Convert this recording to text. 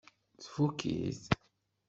Tfukk-it?